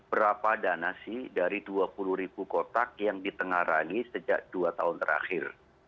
berapa dana sih dari dua puluh kotak yang ditengah rali sejak dua tahun terakhir